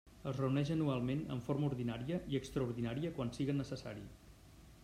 Es reuneix anualment en forma ordinària i extraordinària quan siga necessari.